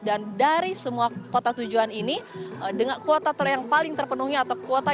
dan dari semua kuota tujuan ini dengan kuota yang paling terpenuhnya